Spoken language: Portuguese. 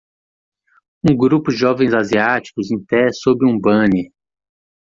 Um grupo de jovens asiáticos em pé sob um banner.